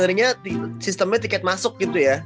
sebenarnya sistemnya tiket masuk gitu ya